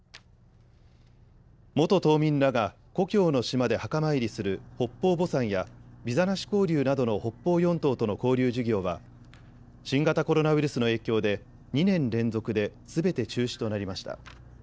元島民らが故郷の島で墓参りする北方墓参やビザなし交流などの北方四島との交流事業は新型コロナウイルスの影響で２年連続ですべて中止となりました。